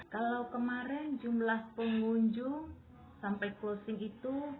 kalau kemarin jumlah pengunjung sampai closing itu